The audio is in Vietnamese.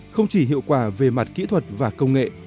không chỉ hiệu quả về mặt kỹ thuật và công nghệ